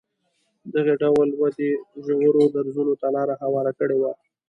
دغې ډول ودې ژورو درزونو ته لار هواره کړې وای.